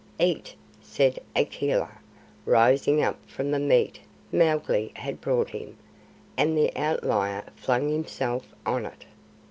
"Eat," said Akela, rising up from the meat Mowgli had brought him, and the Outlier flung himself on it.